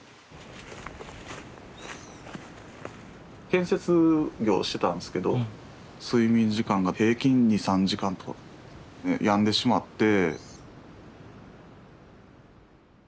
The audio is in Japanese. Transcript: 建設業をしてたんですけど睡眠時間が平均２３時間とかで病んでしまって。